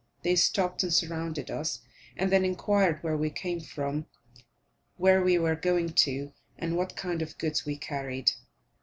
They stopped and surrounded us, and then inquired where we came from, where we were going to, and what kind of goods we carried?